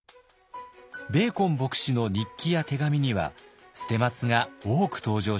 ベーコン牧師の日記や手紙には捨松が多く登場します。